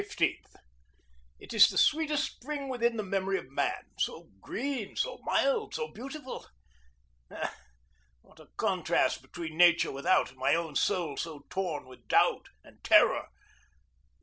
It is the sweetest spring within the memory of man. So green, so mild, so beautiful! Ah, what a contrast between nature without and my own soul so torn with doubt and terror!